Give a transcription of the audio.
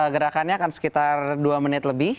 gerakannya akan sekitar dua menit lebih